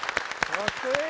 かっこいい。